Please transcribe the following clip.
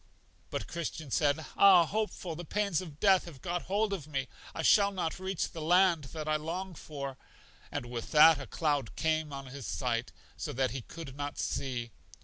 But Christian said: Ah, Hopeful, the pains of death have got hold of me; I shall not reach the land that I long for. And with that a cloud came on his sight, so that he could not see.